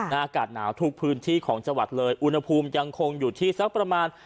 อากาศหนาวทุกพื้นที่ของจังหวัดเลยอุณหภูมิยังคงอยู่ที่สักประมาณ